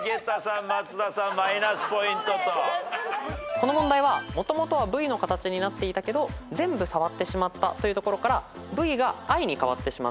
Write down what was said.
この問題はもともとは「Ｖ」の形になっていたけど全部触ってしまったというところから「Ｖ」が「Ｉ」に変わってしまっている。